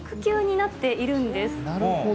なるほど。